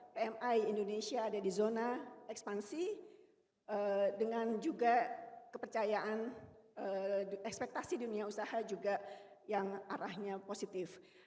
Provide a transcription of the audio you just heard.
pmi indonesia ada di zona ekspansi dengan juga kepercayaan ekspektasi dunia usaha juga yang arahnya positif